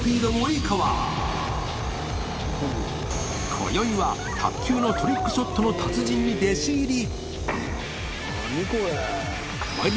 海茲い卓球のトリックショットの達人に弟子入り華丸）何？